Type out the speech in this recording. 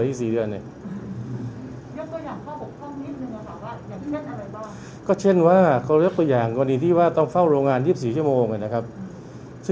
ต้องเป็นเรื่องของท่านที่มีอำนาจในการจัดการ